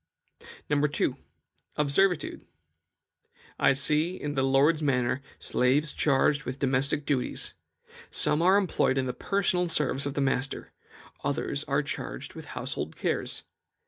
2. Of servitude. "I see, in the lord's manor, slaves charged with domestic duties. Some are employed in the personal service of the master; others are charged with household cares.